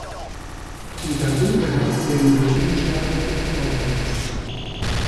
In der Dunkelheit sehen wir unschärfer und farblos.